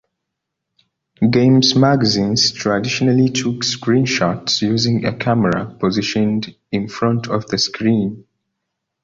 Games magazines traditionally took screenshots using a camera positioned in front of the screen.